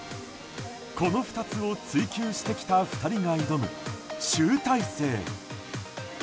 この２つを追求してきた２人が挑む、集大成。